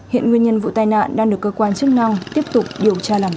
hiện nguyên nhân vụ tai nạn đang được cơ quan chức năng tiếp tục điều tra làm rõ